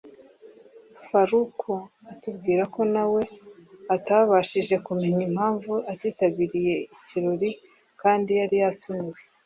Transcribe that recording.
Faruku atubwira ko nawe atabashije kumenya impamvu atitabiriye ikirori kandi yari yatumiwe